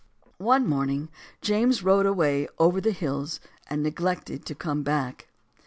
One morning James rode away over the hills and neglected to come back.